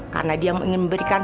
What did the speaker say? karena dia yang ingin memberikan